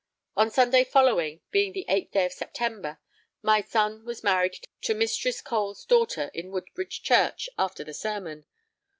On Sunday following, being the 8th day of September, my son was married to Mistress Cole's daughter in Woodbridge Church after the sermon.